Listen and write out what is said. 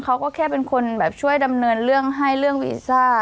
เขาก็แค่เป็นคนแบบช่วยดำเนินเรื่องให้เรื่องวีซ่า